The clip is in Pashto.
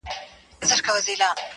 له مُسکۍ ښکلي مي خولګۍ غوښته٫